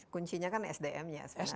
kuncinya kan sdm